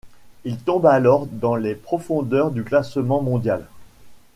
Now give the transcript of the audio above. Il tombe alors dans les profondeurs du classement mondial.